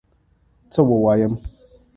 څه ووایم؟!